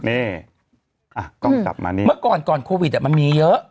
เอ่อกล้องกลับมาเนี่ยเมื่อก่อนควีดอะมันมีเยอะ